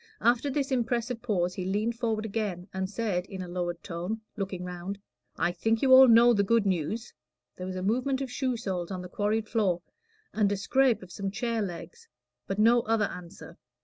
After this impressive pause he leaned forward again, and said, in a lowered tone, looking round "I think you all know the good news." There was a movement of shoe soles on the quarried floor, and a scrape of some chair legs, but no other answer.